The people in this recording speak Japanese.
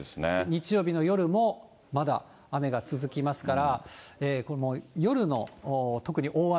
日曜日の夜もまだ雨が続きますから、もう夜の、特に大雨、